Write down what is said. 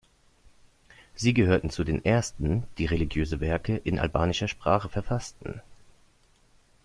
Sie gehörten zu den ersten, die religiöse Werke in albanischer Sprache verfassten.